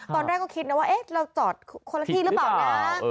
ตอนแรกก็คิดนะว่าเราจอดคนละที่หรือเปล่านะ